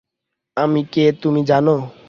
আমি কে তুমি জানো?